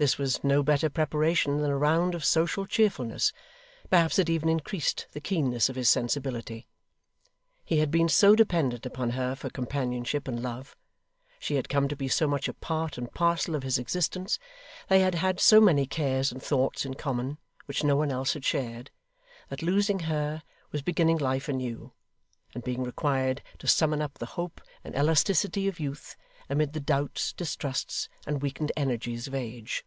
This was no better preparation than a round of social cheerfulness: perhaps it even increased the keenness of his sensibility. He had been so dependent upon her for companionship and love; she had come to be so much a part and parcel of his existence; they had had so many cares and thoughts in common, which no one else had shared; that losing her was beginning life anew, and being required to summon up the hope and elasticity of youth, amid the doubts, distrusts, and weakened energies of age.